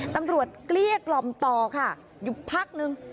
เกลี้ยกล่อมต่อค่ะอยู่พักนึง